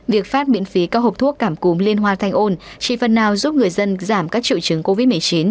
việc phát miễn phí các hộp thuốc cảm cúm liên hoa thanh ôn chỉ phần nào giúp người dân giảm các triệu chứng covid một mươi chín